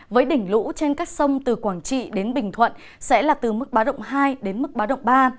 với đỉnh lũ trên các sông từ quảng trị đến bình thuận sẽ là từ mức bá động hai đến mức báo động ba